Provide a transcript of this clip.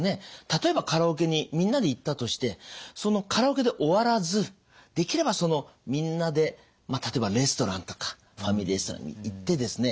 例えばカラオケにみんなで行ったとしてそのカラオケで終わらずできればそのみんなで例えばレストランとかファミリーレストランに行ってですね